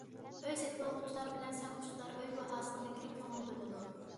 ئۆي سېتىۋالغۇچىلار بىلەن ساتقۇچىلار ئۆي باھاسىغا بەكرەك كۆڭۈل بۆلىدۇ.